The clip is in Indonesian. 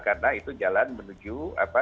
karena itu jalan menuju kpu